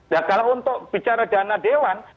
nah kalau untuk bicara dana dewan